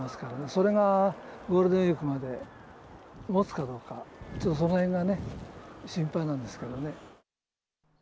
それがゴールデンウィークまでもつかどうか、ちょっとそのへんが心配なんですけどね。